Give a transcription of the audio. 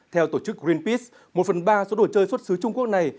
theo tổ chức greenpeace một phần ba số đồ chơi xuất xứ trung quốc này